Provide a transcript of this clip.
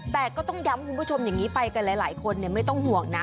แต่ก็ต้องย้ำคุณผู้ชมอย่างนี้ไปกันหลายคนไม่ต้องห่วงนะ